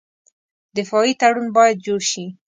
دفاعي تړون باید جوړ شي.